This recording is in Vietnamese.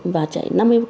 và chạy năm mươi